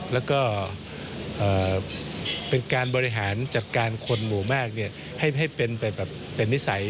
และการบริหารจัดการขนหมู่มากให้เป็นนิสัย